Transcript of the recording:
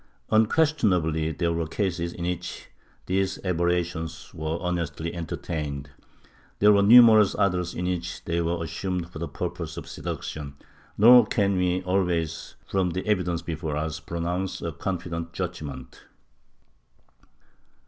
Unques tionably there were cases in which these aberrations were honestly entertained; there were numerous others in which they were assumed for purposes of seduction, nor can we always, from the evidence before us, pronounce a confident judgement.